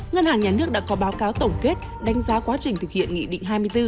ngân hàng nhà nước đã có báo cáo tổng kết đánh giá quá trình thực hiện nghị định hai mươi bốn